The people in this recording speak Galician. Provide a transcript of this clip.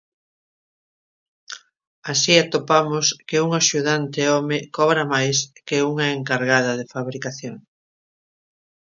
Así atopamos que un axudante home cobra máis que unha encargada de fabricación.